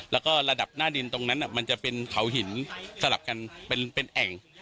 แล้วก็ระดับหน้าดินตรงนั้นมันจะเป็นเขาหินสลับกันเป็นแอ่ง